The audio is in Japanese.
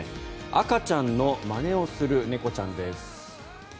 赤ちゃんのまねをする猫ちゃんです。